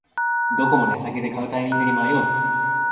どこも値下げで買うタイミングに迷う